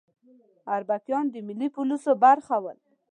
اربکیان د ملي پولیسو برخه ول